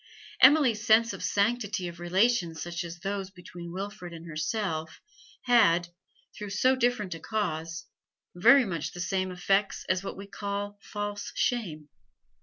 Emily's sense of the sanctity of relations such as those between Wilfrid and herself had, through so different a cause, very much the same effects as what we call false shame.